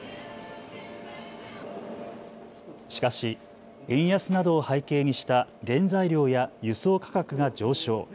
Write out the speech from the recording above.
しかし円安などを背景にした原材料や輸送価格が上昇。